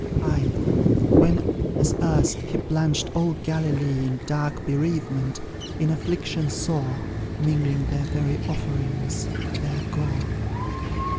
Ay, when, as erst, he plunged all Galilee In dark bereavement in affliction sore, Mingling their very offerings with their gore.